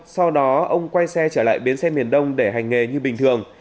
sau đó ông quay xe trở lại bến xe miền đông để hành nghề như bình thường